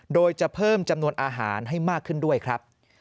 โดยจะเพิ่มจำนวนอาหารให้มากขึ้นด้วยครับ